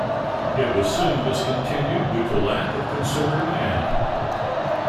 It was soon discontinued due to lack of consumer demand.